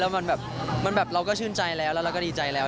มันแบบเราก็ชื่นใจแล้วแล้วเราก็ดีใจแล้ว